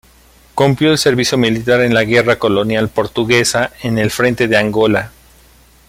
Cumplió el servicio militar en la Guerra colonial portuguesa en el frente de Angola.